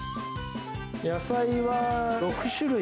野菜は６種類。